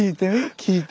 聞いて。